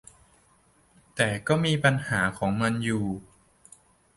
แต่ก็มีปัญหาของมันอยู่